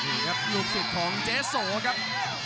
นี่ครับลูกศิษย์ของเจ๊โสครับ